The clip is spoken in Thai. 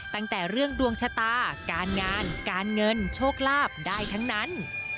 ตั้งแต่เรื่องดวงชะตาการงานการเงินโชคลาภได้ทั้งนั้น